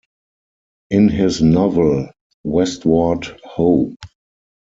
In his novel Westward Ho!